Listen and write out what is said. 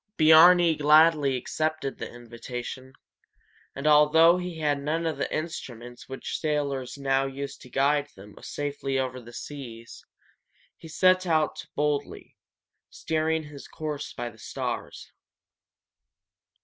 Biarni gladly accepted the invitation, and although he had none of the instruments which sailors now use to guide them safely over the seas, he set out boldly, steering his course by the stars.